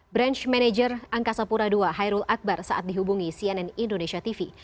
branch manager angkasa pura ii hairul akbar saat dihubungi cnn indonesia tv